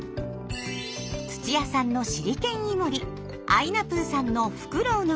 土屋さんのシリケンイモリあいなぷぅさんのフクロウの顔